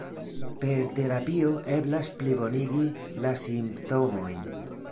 Per terapio eblas plibonigi la simptomojn.